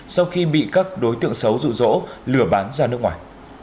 sau khi bị các đối tượng xấu rụ rỗ lửa bán ra nước ngoài